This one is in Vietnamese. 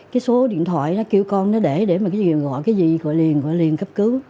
cái số điện thoại nó kêu con nó để để mà gọi cái gì gọi liền gọi liền cấp cứu